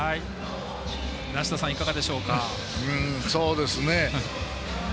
梨田さんいかがでしょうか？